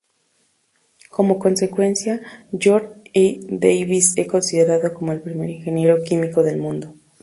Como consecuencia, George E. Davis es considerado como el primer ingeniero químico del mundo.